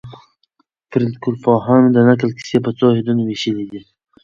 فولکلورپوهانو د نکل کیسې په څو واحدونو وېشلي دي.